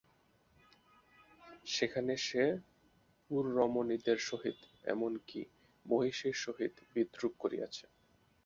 সেখানে সে পুররমণীদের সহিত, এমন কি, মহিষীর সহিত বিদ্রূপ করিয়াছে।